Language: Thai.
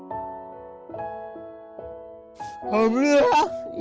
ทำงานชื่อนางหยาดฝนภูมิสุขอายุ๕๔ปี